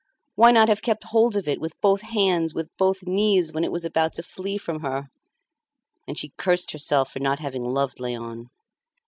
Why not have kept hold of it with both hands, with both knees, when it was about to flee from her? And she cursed herself for not having loved Léon.